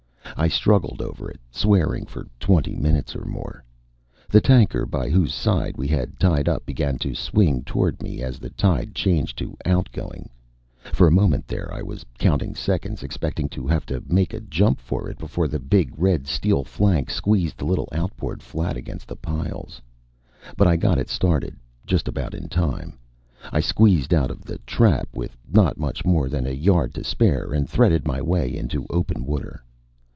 I struggled over it, swearing, for twenty minutes or more. The tanker by whose side we had tied up began to swing toward me as the tide changed to outgoing. For a moment there, I was counting seconds, expecting to have to make a jump for it before the big red steel flank squeezed the little outboard flat against the piles. But I got it started just about in time. I squeezed out of the trap with not much more than a yard to spare and threaded my way into open water.